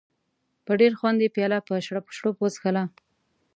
په ډېر خوند یې پیاله په شړپ شړپ وڅښله.